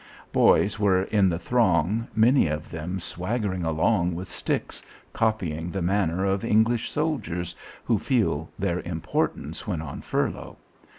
Boys were in the throng, many of them swaggering along with sticks, copying the manner of English soldiers who feel their importance when on furlough.